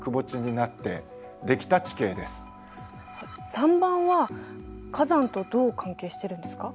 ３番は火山とどう関係してるんですか？